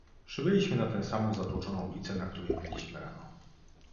"Przybyliśmy na tę samą zatłoczoną ulicę, na której byliśmy rano."